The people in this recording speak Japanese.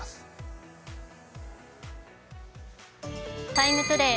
「ＴＩＭＥ，ＴＯＤＡＹ」